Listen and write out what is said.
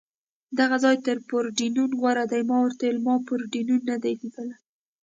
دغه ځای تر پورډېنون غوره دی، ما ورته وویل: ما پورډېنون نه دی لیدلی.